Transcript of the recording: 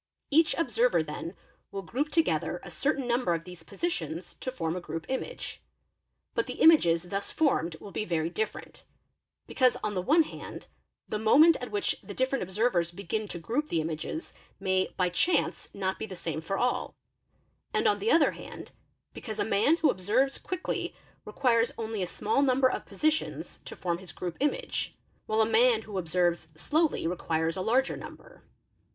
Each observer then will group together a certain number of these positions to form a group image, but the images thus formed will be very different ; because, on the cne hand, the moment at which the different observers begin to group the images may by chance not be the same for all; and on the other hand, because a man who observes | quickly requires only a small number of positions to form his group image, while a man who observes slowly requires a larger number.